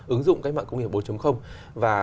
ứng dụng các mạng công nghệ bốn và